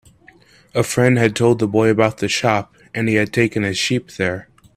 A friend had told the boy about the shop, and he had taken his sheep there.